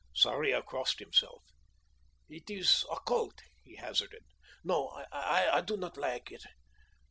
Sarria crossed himself. "It is occult," he hazarded. "No; I do not like it.